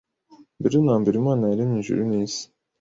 “mbere na mbere Imana yaremye ijuru n’isi”